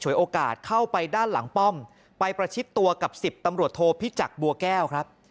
โอกาสเข้าไปด้านหลังป้อมไปประชิดตัวกับ๑๐ตำรวจโทพิจักรบัวแก้วครับ